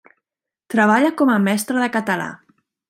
Treballa com a mestra de català.